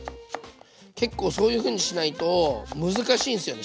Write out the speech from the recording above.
結構そういうふうにしないと難しいんすよね。